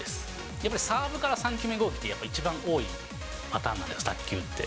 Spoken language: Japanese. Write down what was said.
やっぱりサーブから３球目攻撃が一番多いパターンなんです、卓球って。